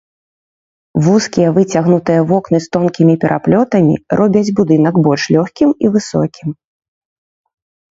Вузкія выцягнутыя вокны з тонкімі пераплётамі робяць будынак больш лёгкім і высокім.